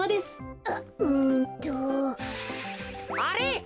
あれ？